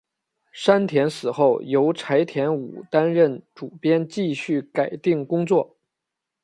山田死后由柴田武担任主编继续改订工作。